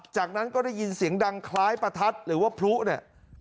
จากนั้นก็ได้ยินเสียงดังคล้ายประทัดหรือว่าพลุเนี่ย